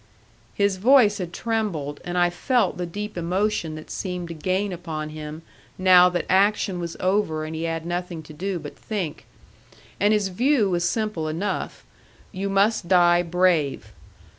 His voice had trembled, and I felt the deep emotion that seemed to gain upon him now that action was over and he had nothing to do but think. And his view was simple enough: you must die brave.